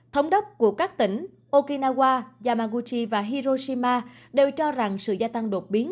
thống đốc của các tỉnh okinawa yamaguchi và hiroshima đều cho rằng sự gia tăng đột biến